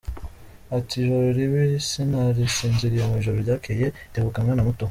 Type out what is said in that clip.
Ati, Ijoro ribi, sinasinziriye mu ijoro ryakeye!!! Tebuka mwana muto.